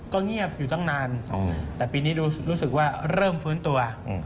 ก็เงียบอยู่ตั้งนานแต่ปีนี้รู้สึกว่าเริ่มฟื้นตัว